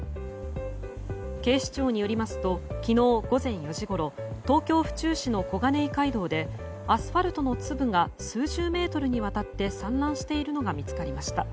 警視庁によりますと昨日午前４時ごろ東京・府中市の小金井街道でアスファルトの粒が数十メートルにわたって散乱しているのが見つかりました。